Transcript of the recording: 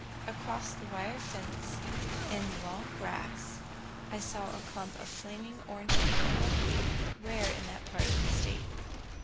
Across the wire fence, in the long grass, I saw a clump of flaming orange colored milkweed, rare in that part of the State.